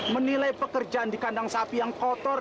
menilai pekerjaan di kandang sapi yang kotor